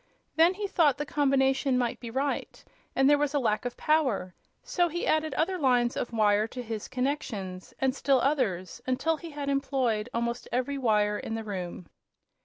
Then he thought the combination might be right and there was a lack of power; so he added other lines of wire to his connections, and still others, until he had employed almost every wire in the room.